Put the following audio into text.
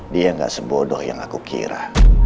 dia gak sebodoh yang aku kira